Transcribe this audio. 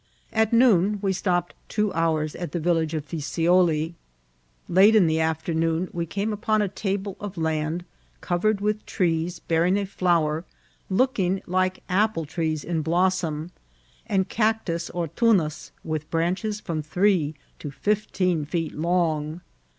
At noon we stopped two hours at the village of Fisioli. Latd in the afternoon we came upon a table of land covered with trees bearing a flower, looking like ap{de trees in blossom, and cactus or tunos, with branches from three to fifteen feet long.